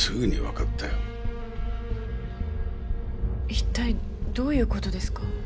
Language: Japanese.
一体どういう事ですか？